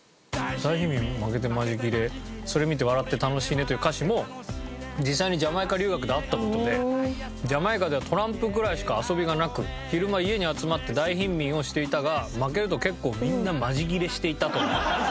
「大貧民負けてマジ切れそれ見て笑って楽しいね」という歌詞も実際にジャマイカ留学であった事でジャマイカではトランプくらいしか遊びがなく昼間家に集まって大貧民をしていたが負けると結構みんなマジ切れしていたと。